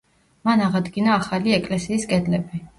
მან აღადგინა ახალი ეკლესიის კედლები.